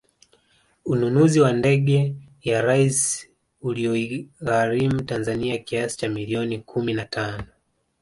Ununuzi wa ndege ya Rais ulioigharimu Tanzania kiasi cha milioni kumi na tano